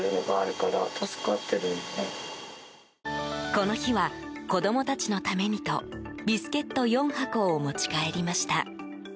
この日は、子供達のためにとビスケット４箱を持ち帰りました。